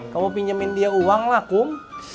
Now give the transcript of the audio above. kamu pinjamin dia uang lah kum